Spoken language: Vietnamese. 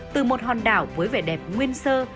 từ một hòn đảo với vẻ đẹp nguyên sơ